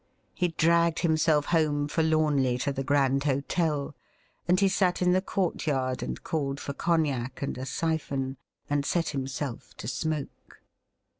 He dragged himself SOMEONE HAS BLUNDERED 85 home forlornly to the Grand Hotel, and he sat in the courtyard and called for cognac and a syphon, and set himself to smoke.